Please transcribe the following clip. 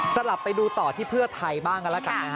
กลับไปดูต่อที่เพื่อไทยบ้างกันแล้วกันนะฮะ